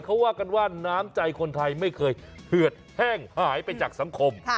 เขาว่ากันว่าน้ำใจคนไทยไม่เคยเหือดแห้งหายไปจากสังคม